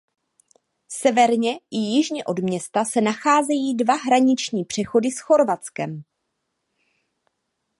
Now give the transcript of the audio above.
Severně i jižně od města se nacházejí dva hraniční přechody s Chorvatskem.